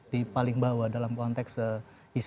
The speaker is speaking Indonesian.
di paling bawah dalam konteks isu